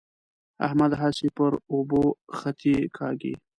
احمد هسې پر اوبو خطې کاږي.